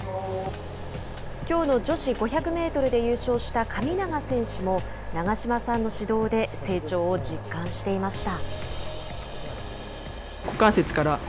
きょうの女子５００メートルで優勝した神長選手も長島さんの指導で成長を実感していました。